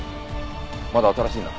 まだ新しいな。